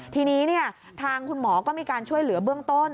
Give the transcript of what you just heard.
ทีนี้ทางคุณหมอก็มีการช่วยเหลือเบื้องต้น